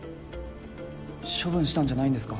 処分したんじゃないんですか？